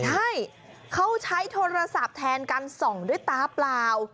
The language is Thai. ใช่เขาใช้โทรศัพท์แทนการส่องด้วยตาเปล่า